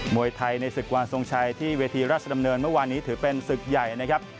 วยไทยในศึกวันทรงชัยที่เวทีราชดำเนินเมื่อวานนี้ถือเป็นศึกใหญ่นะครับ